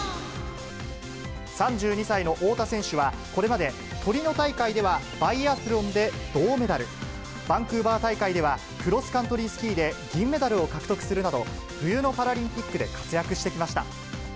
３２歳の太田選手は、これまでトリノ大会ではバイアスロンで銅メダル、バンクーバー大会ではクロスカントリースキーで銀メダルを獲得するなど、冬のパラリンピックで活躍してきました。